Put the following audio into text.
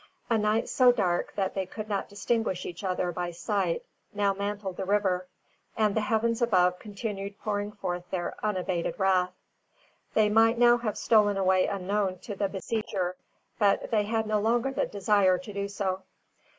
A night so dark that they could not distinguish each other by sight now mantled the river, and the heavens above continued pouring forth their unabated wrath. They might now have stolen away unknown to the besieger; but they had no longer the desire to do so.